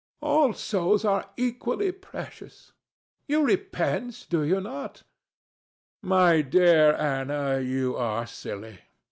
ANA. All souls are equally precious. You repent, do you not? DON JUAN. My dear Ana, you are silly.